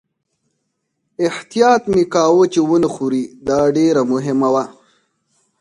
احتیاط مې کاوه چې و نه ښوري، دا ډېره مهمه وه.